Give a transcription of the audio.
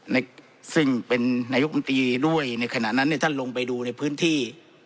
ซึ่งเป็นนายกรรมตรีด้วยในขณะนั้นเนี่ยท่านลงไปดูในพื้นที่